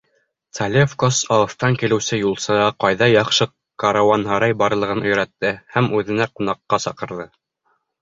Цалевкос алыҫтан килеүсе юлсыға ҡайҙа яҡшы каруанһарай барлығын өйрәтте һәм үҙенә ҡунаҡҡа саҡырҙы.